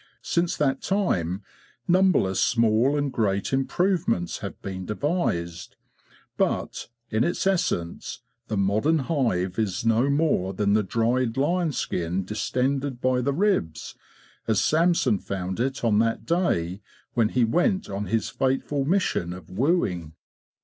Since that time numberless small and great improvements have been devised; but, in its essence, the modern hive is no more than the dried lion skin distended by the ribs, as Samson found it on that day when he went on his fateful mission of wooing.